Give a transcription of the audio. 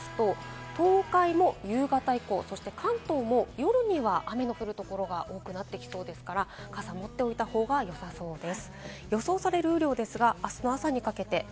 この後を見ていきますと、東海も夕方以降、そして関東も夜には雨の降るところが多くなってきそうですから、傘を持っておいた方がよさそうです。